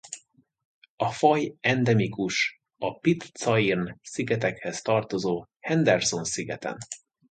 A faj endemikus a Pitcairn-szigetekhez tartozó Henderson-szigeten.